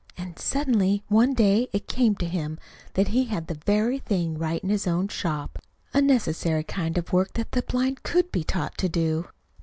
And suddenly one day it came to him that he had the very thing right in his own shop a necessary kind of work that the blind could be taught to do."